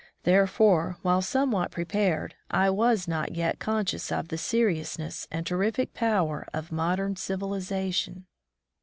There f ore, while somewhat prepared, I was not yet conscious of the seriousness and terrific power of modem civilization.